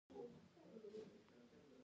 دا بده خبره ده.